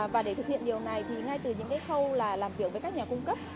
và để thực hiện điều này ngay từ những khâu làm việc với các nhà cung cấp